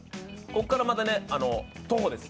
ここからまた徒歩です。